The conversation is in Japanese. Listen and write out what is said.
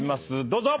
どうぞ！